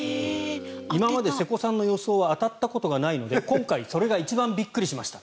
今まで瀬古さんの予想は当たったことがないので今回、それが一番びっくりしました。